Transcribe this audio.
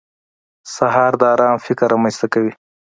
سهار د ارام فکر رامنځته کوي.